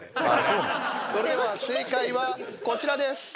それでは正解はこちらです。